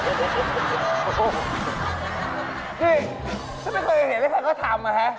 พี่ฉันไม่เคยเห็นว่าใครก็ทำ